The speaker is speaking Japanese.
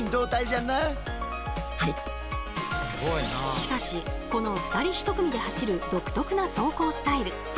しかしこの２人１組で走る独特な走行スタイル。